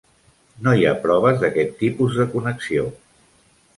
No hi ha proves d'aquest tipus de connexió.